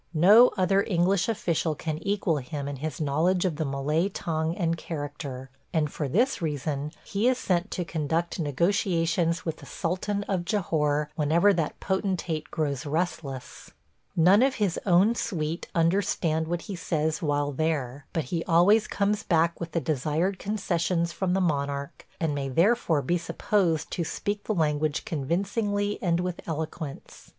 No other English official can equal him in his knowledge of the Malay tongue and character, and for this reason he is sent to conduct negotiations with the sultan of Jahore whenever that potentate grows restless. None of his own suite understand what he says while there, but he always comes back with the desired concessions from the monarch and may therefore be supposed to speak the language convincingly and with eloquence.